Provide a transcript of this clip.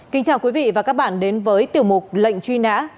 kính chào quý vị và các bạn đến với tiểu mục lệnh truy nã